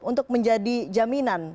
untuk menjadi jaminan